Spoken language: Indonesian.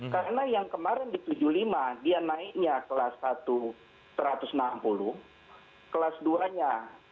karena yang kemarin di tujuh puluh lima dia naiknya kelas satu satu ratus enam puluh kelas dua nya satu ratus sepuluh